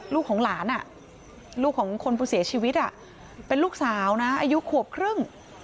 ลูกของหลานลูกของคนผู้เสียชีวิตเป็นลูกสาวนะอายุขวบครึ่ง